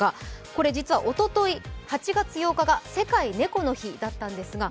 これ実は、おととい８月８日が世界猫の日だったんですが、